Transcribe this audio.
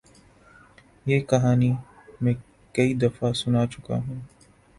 یہ کہانی میں کئی دفعہ سنا چکا ہوں۔